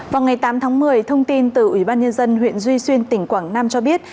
vào ngày tám tháng một mươi thông tin từ ủy ban nhân dân huyện duy xuyên tỉnh quảng nam cho biết